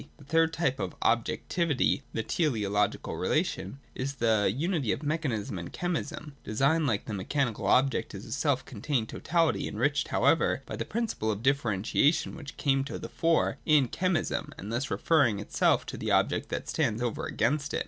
The third type of objectivity, the teleological relation, is the unity of mechanism and chemism. Design, like the me chanical object, is a self contained totalitjr, enriched however by the principle of differentiation which came to the fore in chemism, and thus referring itself to the object that stands over against it.